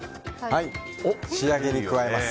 はい、仕上げに加えます。